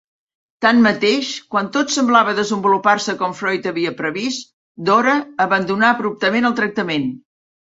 Tanmateix, quan tot semblava desenvolupar-se com Freud havia previst, Dora abandonà abruptament el tractament.